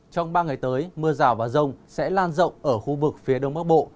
trong ba ngày tới mưa rào và rông sẽ lan rộng ở khu vực phía đông bắc bộ